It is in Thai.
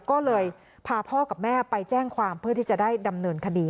ก็เลยพาพ่อกับแม่ไปแจ้งความเพื่อที่จะได้ดำเนินคดี